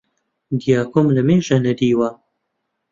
دیاکۆم لەمێژە نەدیوە